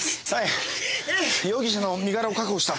容疑者の身柄を確保した。